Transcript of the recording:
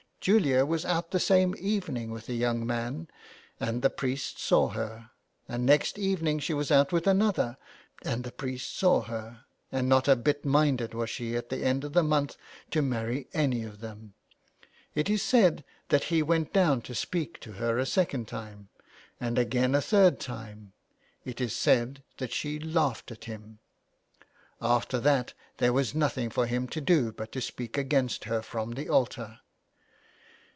Julia was out the same evening with a young man, and the priest saw her ; and next evening she was out with another, and the priest saw her ; and not a bit minded was she at the end of the month to marry any of them. It is said that he went down to speak to her a second time, and again a 217 JULIA CAHILL'S CURSE. third time ; it is said that she laughed at him. After that there was nothing for him to do but to speak against her from the altar.